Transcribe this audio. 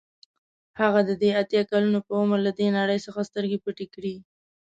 هغه د درې اتیا کلونو په عمر له دې نړۍ څخه سترګې پټې کړې.